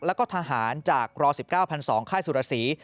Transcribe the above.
แล้วก็ทหารจากร๑๙๒ค่ายสุรสี